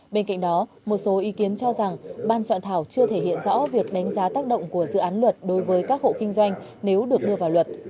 bên cạnh đó một số ý kiến cho rằng ban soạn thảo chưa thể hiện rõ việc đánh giá tác động của dự án luật đối với các hộ kinh doanh nếu được đưa vào luật